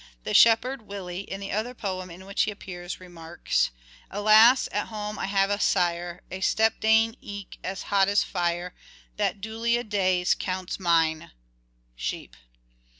The shepherd, " Willie," in the other poem in which he appears, remarks :" Alas ! at home I have a sire, A step dame eke as hot as fire That duly a days counts mine " (sheep).